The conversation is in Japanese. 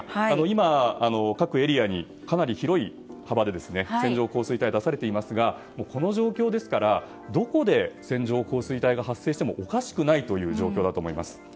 今、各エリアにかなり広い幅で線状降水帯が出されていますがこの状況ですからどこで線状降水帯が発生してもおかしくないという状況だと思います。